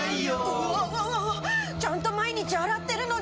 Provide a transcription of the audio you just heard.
うわわわわちゃんと毎日洗ってるのに。